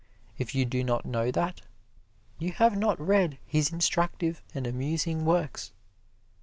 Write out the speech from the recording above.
If you do not know that, you have not read His instructive and amusing works.